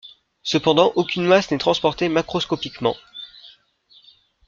Cependant, aucune masse n'est transportée macroscopiquement.